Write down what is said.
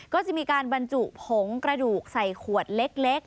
ก็จะมีการบรรจุผงกระดูกใส่ขวดเล็ก